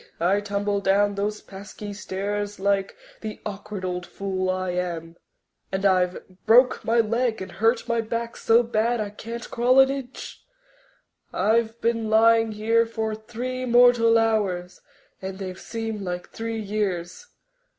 I tumbled down those pesky stairs like the awkward old fool I am and I've broke my leg and hurt my back so bad I can't crawl an inch. I've been lying here for three mortal hours and they've seemed like three years.